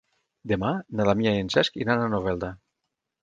Demà na Damià i en Cesc iran a Novelda.